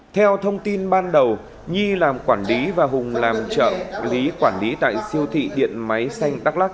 theo thông tin ban đầu nhi làm quản lý và hùng làm trợ lý quản lý tại siêu thị điện máy xanh đắk lắc